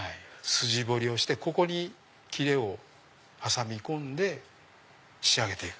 筋彫りをしてここにきれを挟み込んで仕上げていく。